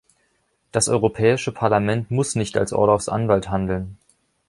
Das Europäische Parlament muss nicht als Orlovs Anwalt handeln.